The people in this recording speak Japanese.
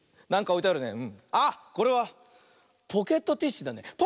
これはポケットティッシュだね。